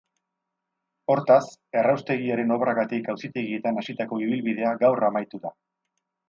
Hortaz, erraustegiaren obragatik auzitegietan hasitako ibilbidea gaur amaitu da.